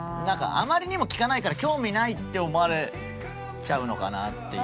あまりにも聞かないから興味ないって思われちゃうのかなっていう。